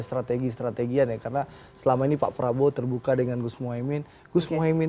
strategi strategian ya karena selama ini pak prabowo terbuka dengan gus mohaimin gus mohaimin